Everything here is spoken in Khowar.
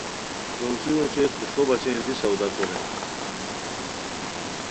رونڅیرو اوچے تو ݰو بچین دی سودا کورے